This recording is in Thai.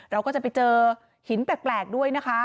เราก็จะไปเจอหินแปลกด้วยนะคะ